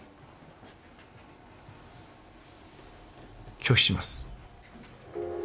拒否します